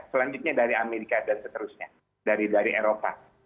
selanjutnya dari amerika dan seterusnya dari eropa